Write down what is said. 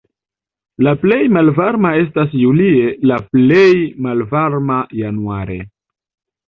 La plej varma estas julie, la plej malvarma januare.